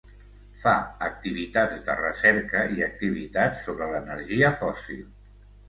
Fa activitats de recerca i activitats sobre l'energia fòssil